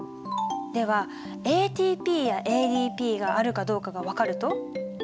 ではＡＴＰやＡＤＰがあるかどうかが分かると？